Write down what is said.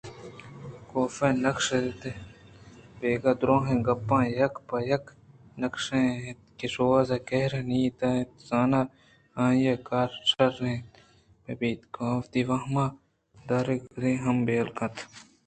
کاف ءِ دل ءَ ہمابیگاہ ءِدُرٛاہیں گپ یک پہ یک ءَ نقش اِت اَنت کہ شوازر ءِ قہریں نیت اَت زاناانگتءَ آئی ءِ کار شرّ نہ بنت ءُکاف وتی وام دار ءَ کدی ہم بے حال نہ کنت